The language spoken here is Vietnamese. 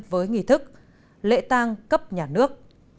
với nghị thức lễ tăng cấp nhà nước